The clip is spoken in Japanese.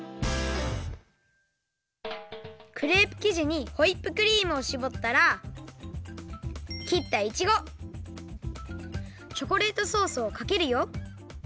クレープきじにホイップクリームをしぼったらきったいちごチョコレートソースをかけるよ。